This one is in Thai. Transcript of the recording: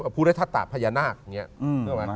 พุทธศัตริย์พญานาคเพื่อว่า